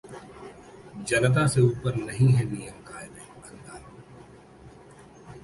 जनता से ऊपर नहीं हैं नियम-कायदे: अन्ना